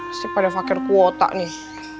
musti pada fakir ku otak nih